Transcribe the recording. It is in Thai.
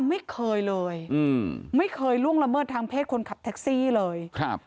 ไม่เคยเลยอืมไม่เคยล่วงละเมิดทางเพศคนขับแท็กซี่เลยครับ